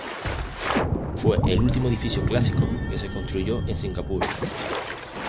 Fue el último edificio clásico que se construyó en Singapur.